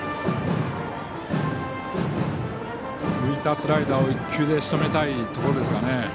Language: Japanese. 浮いたスライダーを１球でしとめたいところです。